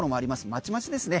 まちまちですね。